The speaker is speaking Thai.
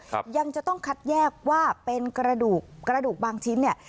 ครับยังจะต้องคัดแยกว่าเป็นกระดูกกระดูกบางชิ้นเนี่ย